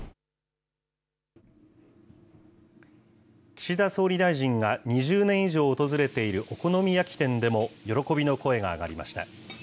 岸田総理大臣が２０年以上訪れているお好み焼き店でも、喜びの声が上がりました。